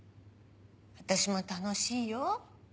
私も楽しいよ。